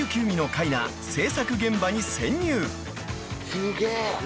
すげえ。